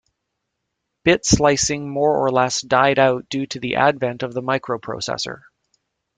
Bit slicing more or less died out due to the advent of the microprocessor.